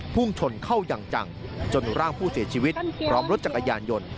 พุ่งชนเข้าอย่างจังจนร่างผู้เสียชีวิตพร้อมรถจักรยานยนต์